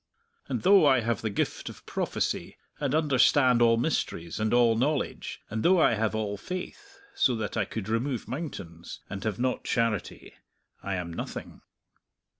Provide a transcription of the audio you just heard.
_ "_'And though I have the gift of prophecy, and understand all mysteries, and all knowledge; and though I have all faith, so that I could remove mountains, and have not charity, I am nothing.'